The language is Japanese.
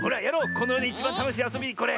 このよでいちばんたのしいあそびこれ。